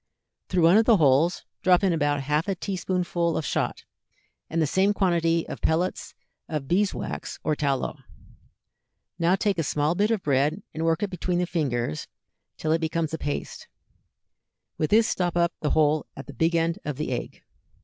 Through one of the holes drop in about half a tea spoonful of shot and the same quantity of pellets of bees wax or tallow. Now take a small bit of bread and work it between the fingers till it becomes a paste; with this stop up the hole at the big end of the egg.